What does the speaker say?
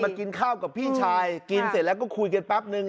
กินข้าวกับพี่ชายกินเสร็จแล้วก็คุยกันแป๊บนึง